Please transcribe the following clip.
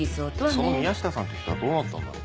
その宮下さんって人はどうなったんだろう？